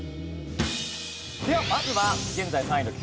ではまずは現在３位のＱさま！！